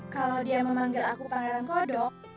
kalau dia memanggil aku pangeran kodok